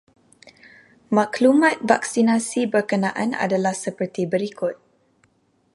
Maklumat vaksinasi berkenaan adalah seperti berikut.